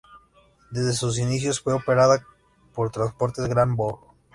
Desde sus inicios fue operada por Transportes Grand Bourg.